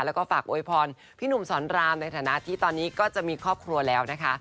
แล้วก็ฝากโวยพรพี่หนุ่มสอนรามในฐานะที่ตอนนี้ก็จะมีครอบครัวแล้วนะคะ